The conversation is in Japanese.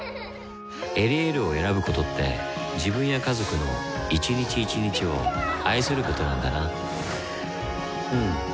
「エリエール」を選ぶことって自分や家族の一日一日を愛することなんだなうん。